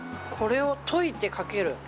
これを溶いて、かける。